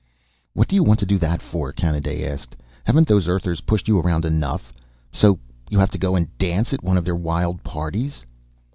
"What do you want to do that for?" Kanaday asked. "Haven't those Earthers pushed you around enough, so you have to go dance at one of their wild parties?"